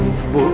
ibu sudah sadar